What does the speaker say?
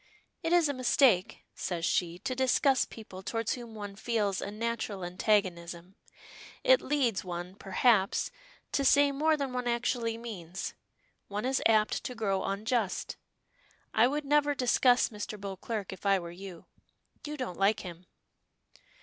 "It is a mistake," says she, "to discuss people towards whom one feels a natural antagonism. It leads, one, perhaps, to say more than one actually means. One is apt to grow unjust. I would never discuss Mr. Beauclerk if I were you. You don't like him."